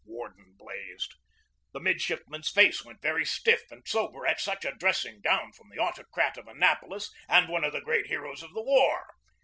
Worden blazed. The midshipman's face went very stiff and sober at such a "dressing down" from the autocrat of Annapolis and one of the great heroes of the war.